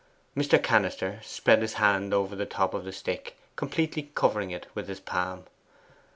Mr. Cannister spread his hand over the top of the stick, completely covering it with his palm.